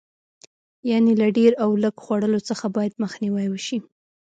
یعنې له ډېر او لږ خوړلو څخه باید مخنیوی وشي.